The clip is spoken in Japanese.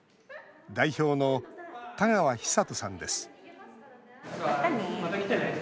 代表の田川尚登さんです